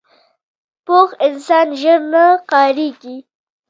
پوخ انسان ژر نه قهرېږي